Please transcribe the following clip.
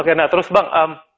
oke nah terus bang